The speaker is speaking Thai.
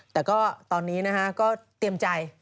แต่ก็ตอนนี้นะฮะก็เตรียมใจ